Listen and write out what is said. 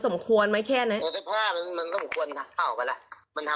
สมควรมั้ยแค่นั้น